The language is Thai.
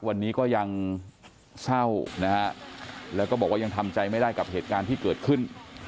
วันนี้ก็ยังเศร้านะฮะแล้วก็บอกว่ายังทำใจไม่ได้กับเหตุการณ์ที่เกิดขึ้น